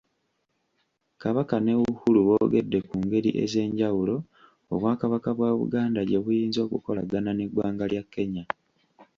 Kabaka ne Uhuru boogedde ku ngeri ezenjawulo Obwakabaka bwa Buganda gye buyinza okukolagana n’Eggwanga lya Kenya.